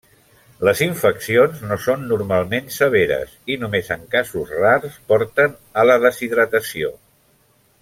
Les infeccions no són normalment severes i només en casos rars porten a la deshidratació.